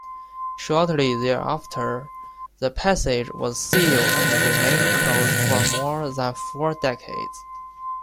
Shortly thereafter, the passage was sealed and remained closed for more than four decades.